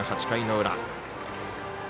８回の裏。